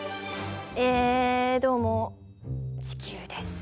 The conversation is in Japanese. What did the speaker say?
えー、どうも地球です。